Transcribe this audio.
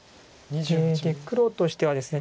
黒としてはですね